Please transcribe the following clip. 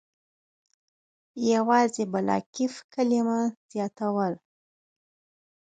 یوازې «بلاکیف» کلمه زیاتوله.